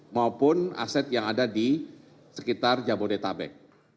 maupun aset yang ada di sekitar jabodetabek